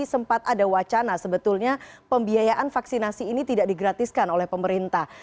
sempat ada wacana sebetulnya pembiayaan vaksinasi ini tidak digratiskan oleh pemerintah